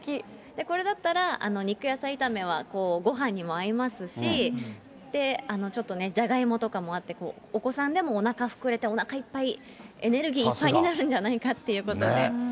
これだったら肉野菜炒めはごはんにも合いますし、ちょっとジャガイモとかもあって、お子さんでもおなか膨れて、おなかいっぱい、エネルギーいっぱいになるんじゃないかということで。